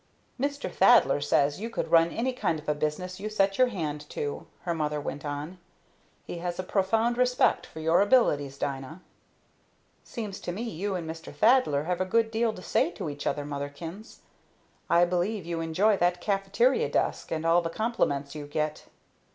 "Mr. Thaddler says you could run any kind of a business you set your hand to," her mother went on. "He has a profound respect for your abilities, Dina." "Seems to me you and Mr. Thaddler have a good deal to say to each other, motherkins. I believe you enjoy that caffeteria desk, and all the compliments you get."